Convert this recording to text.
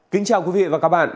kính chào quý vị và các bạn